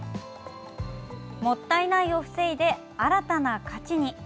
もったいないを防いで新たな価値に。